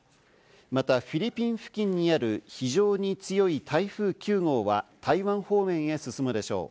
またフィリピン付近にある非常に強い台風９号は台湾方面へ進むでしょう。